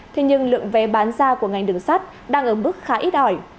thế nhưng lượng vé bán ra của ngành đường sắt đang ở mức khá ít ỏi